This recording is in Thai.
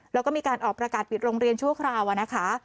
แล้วก็มีการออกประกาศปิดโรงเรียนชั่วคราวนะคะ